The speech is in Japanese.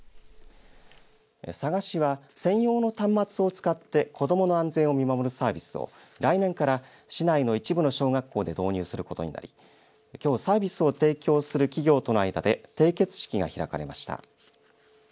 佐賀市は専用の端末を使って子どもの安全を見守るサービスを来年から市内の一部の小学校で導入することになり、きょうサービスを提供する企業との間で締結式が開かれました。